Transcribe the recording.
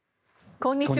こんにちは。